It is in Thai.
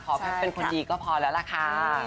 เป็นคนดีก็พอแล้วล่ะค่ะ